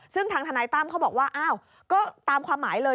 ซึ่งทางทนายตั้มเขาบอกว่าอ้าวก็ตามความหมายเลย